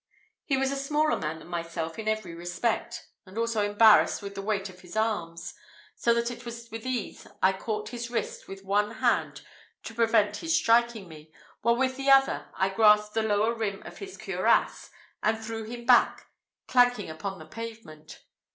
He was a smaller man than myself in every respect, and also embarrassed with the weight of his arms, so that it was with ease I caught his wrist with one hand to prevent his striking me, while with the other I grasped the lower rim of his cuirass, and threw him back clanking upon the pavement.